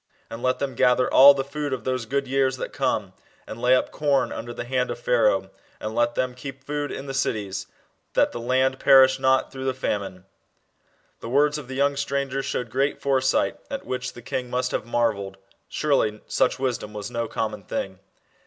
And let them gather all the food of those good years that come, and lay up corn under the hand of Pharaoh, and let them keep food in the cities. ... That the land perish not through the famine/' The words of the young stranger showed great foresight, at which the king must have marvelled. Surely such wisdom was no common thing.